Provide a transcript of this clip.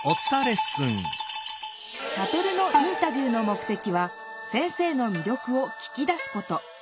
サトルのインタビューの目的は先生のみりょくを聞き出すこと。